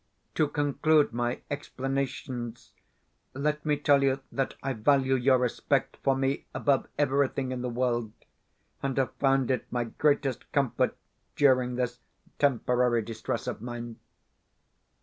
To conclude my explanations, let me tell you that I value your respect for me above everything in the world, and have found it my greatest comfort during this temporary distress of mine.